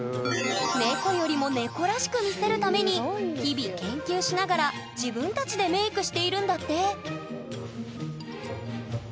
「猫よりも猫らしく」見せるために日々研究しながら自分たちでメークしているんだって！